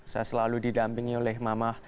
saya selalu didampingi oleh mamah